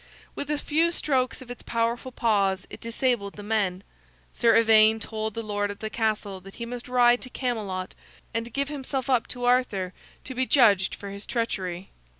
With a few strokes of its powerful paws it disabled the men. Sir Ivaine told the lord of the castle that he must ride to Camelot and give himself up to Arthur to be judged for his treachery.